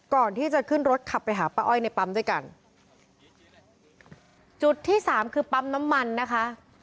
ก่อนที่จะขึ้นรถขับไปหาป้าอ้อยในปั๊มด้วยกันจุดที่สามคือปั๊มน้ำมันนะคะ